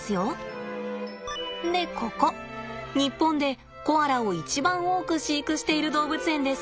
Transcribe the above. でここ日本でコアラを一番多く飼育している動物園です。